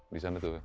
di sana tuh ya